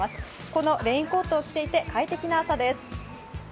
このレインコートを着ていて快適な朝です。